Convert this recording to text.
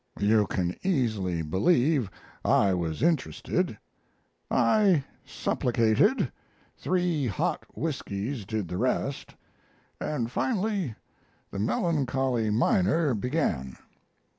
You can easily believe I was interested. I supplicated three hot whiskies did the rest and finally the melancholy miner began.